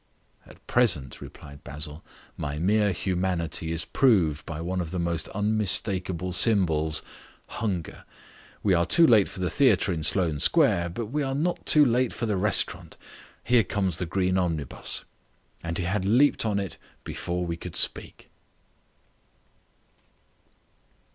"At present," replied Basil, "my mere humanity is proved by one of the most unmistakable symbols hunger. We are too late for the theatre in Sloane Square. But we are not too late for the restaurant. Here comes the green omnibus!" and he had leaped on it before we could speak.